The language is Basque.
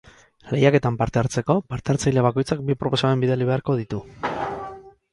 Lehiaketan parte hartzeko parte-hartzaile bakoitzak bi proposamen bidali beharko ditu.